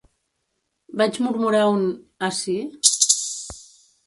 Vaig murmurar un "Ah, sí?"